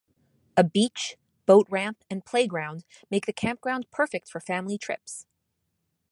A beach, boat ramp and playground make the campground perfect for family trips.